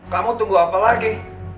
kamu tunggu apa lagi